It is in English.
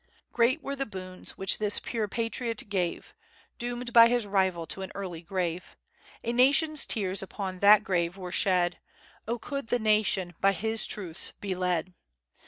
"Great were the boons which this pure patriot gave, Doomed by his rival to an early grave; A nation's tears upon that grave were shed. Oh, could the nation by his truths be led!